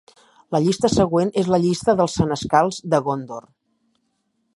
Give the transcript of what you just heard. La llista següent és la llista dels Senescals de Góndor.